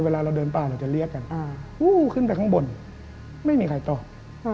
เวลาเราเดินป่าเราจะเรียกกันขึ้นไปข้างบนไม่มีใครตอบ